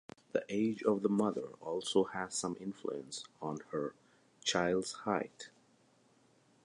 The age of the mother also has some influence on her child's height.